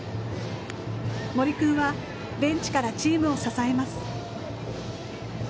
森君はベンチからチームを支えます。